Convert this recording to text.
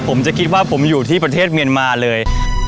ผมจะคิดว่าผมอยู่ที่ประเทศเมียนมาเลย